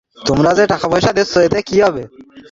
তোমার কথা শুনিয়া আমি আর বাঁচি না!